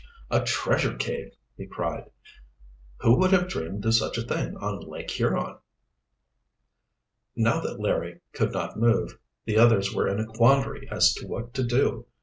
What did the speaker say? "A treasure cave!" he cried. "Who would have dreamed of such a thing on Lake Huron!" Now that Larry could not move, the others were in a quandary as to what to do.